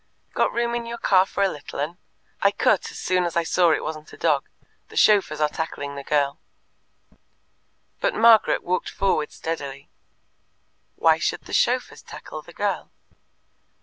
"Got room in your car for a little un? I cut as soon as I saw it wasn't a dog; the chauffeurs are tackling the girl." But Margaret walked forward steadily. Why should the chauffeurs tackle the girl?